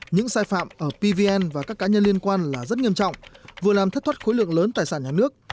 những sai phạm ở pvn và các cá nhân liên quan là rất nghiêm trọng vừa làm thất thoát khối lượng lớn tài sản nhà nước